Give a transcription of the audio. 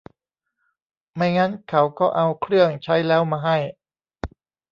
ไม่งั้นเขาก็เอาเครื่องใช้แล้วมาให้